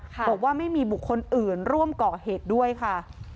บอกว่าไม่มีบุคคลอื่นร่วมก่อเหตุด้วยค่ะ